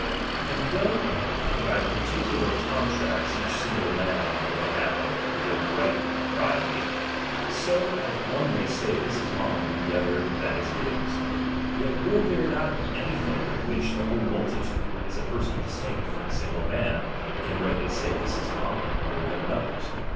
And though p^ <><" "f cin by particular contracts each single man may have action', io »idc his own right and propriety, so as one may say J^ this is mine, the other, that is his ; yet will there '^' not be anything of which the whole multitude, as a person distinct from a single man, can rightly say, this is mine, more than another's.